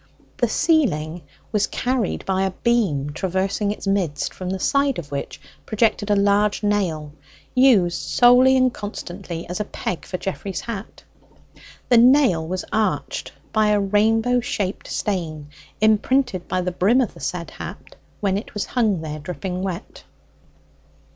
The ceiling was carried by a beam traversing its midst, from the side of which projected a large nail, used solely and constantly as a peg for Geoffrey's hat; the nail was arched by a rainbow shaped stain, imprinted by the brim of the said hat when it was hung there dripping wet.